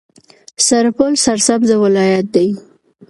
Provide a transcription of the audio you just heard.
سرپل سرسبزه ولایت دی.